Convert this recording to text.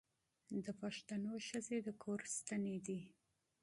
د پښتنو ښځې د کور ستنې دي.